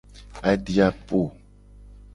Adi a po.